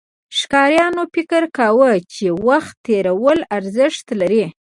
ښکاریانو فکر کاوه، چې وخت تېرول ارزښت لري.